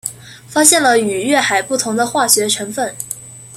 发现了与月海不同的化学成分。